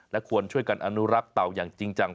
และควรช่วยกันอนุรักษ์เต่าอย่างจริงจัง